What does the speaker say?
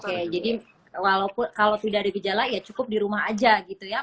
jadi walaupun kalau tidak ada gejala ya cukup di rumah aja gitu ya